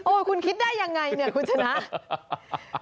คุณคิดได้ยังไงเนี่ยคุณชนะ